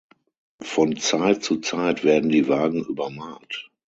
Von Zeit zu Zeit werden die Wagen übermalt.